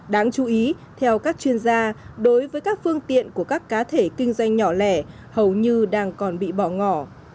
đáng chú ý theo các chuyên gia đối với các phương tiện của các cá thể kinh doanh nhỏ lẻ hầu như đang còn bị bỏ ngỏ